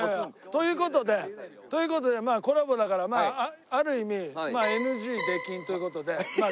という事で。という事でコラボだからまあある意味ＮＧ出禁という事で。